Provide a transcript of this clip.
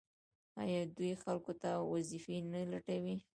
آیا دوی خلکو ته وظیفې نه لټوي؟